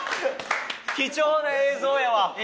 貴重な映像やわ。